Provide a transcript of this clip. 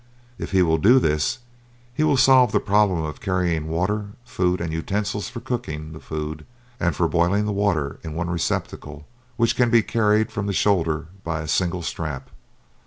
If he will do this, he will solve the problem of carrying water, food, and the utensils for cooking the food and for boiling the water in one receptacle, which can be carried from the shoulder by a single strap.